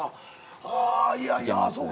ああいやいやあっそうか。